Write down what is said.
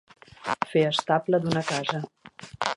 Fer estable d'una casa.